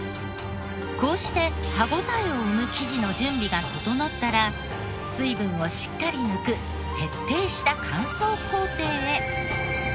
こうして歯応えを生む生地の準備が整ったら水分をしっかり抜く徹底した乾燥工程へ。